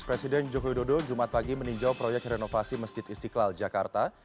presiden joko widodo jumat pagi meninjau proyek renovasi masjid istiqlal jakarta